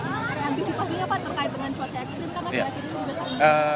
antisipasinya apa terkait dengan cuaca ekstrim